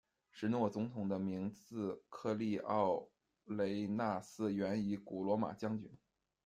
史诺总统的名字科利奥雷纳斯源自于古罗马将军。